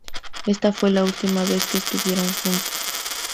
Esta fue la última vez que estuvieron juntos.